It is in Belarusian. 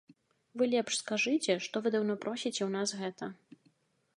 Вы лепш скажыце, што вы даўно просіце ў нас гэта.